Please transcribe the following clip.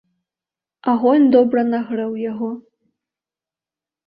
Агонь добра нагрэў яго.